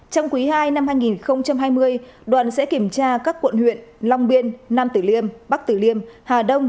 trong quý ii năm hai nghìn hai mươi đoàn sẽ kiểm tra các quận huyện long biên nam tử liêm bắc tử liêm hà đông